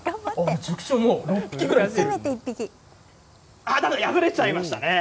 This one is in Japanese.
ああ、だめだ、破れちゃいましたね。